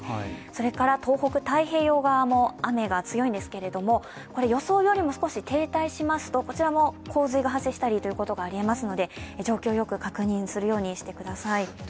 それから東北、太平洋側も雨が強いんですけども予想よりも少し停滞しますとこちらも洪水が発生したりとあり得ますので状況をよく確認するようにしてください。